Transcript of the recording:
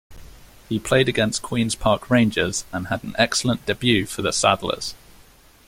He played against Queens Park Rangers and had an excellent debut for the Saddlers.